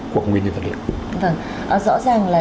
cuộc nguyên nhân vật liệu vâng rõ ràng là